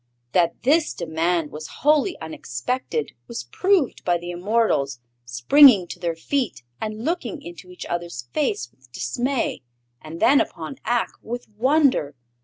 That this demand was wholly unexpected was proved by the immortals springing to their feet and looking into each other's face with dismay and then upon Ak with wonder.